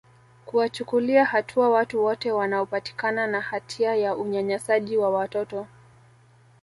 kuwachukulia hatua watu wote wanaopatikana na hatia ya unyanyasaji wa watoto